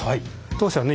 当社はね